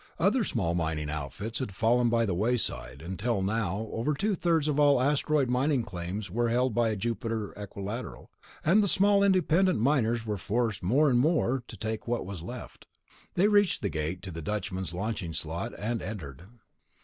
Other small mining outfits had fallen by the wayside until now over two thirds of all asteroid mining claims were held by Jupiter Equilateral, and the small independent miners were forced more and more to take what was left. They reached the gate to the Dutchman's launching slot and entered.